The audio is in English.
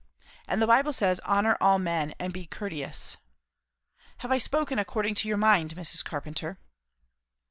And the Bible says, 'Honour all men;' and, 'Be courteous.' Have I spoken according to your mind, Mrs. Carpenter?"